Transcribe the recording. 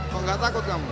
kok gak takut kamu